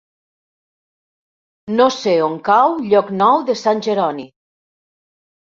No sé on cau Llocnou de Sant Jeroni.